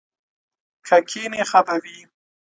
که کښېنې ښه به وي!